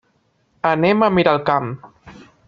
Anem a Miralcamp.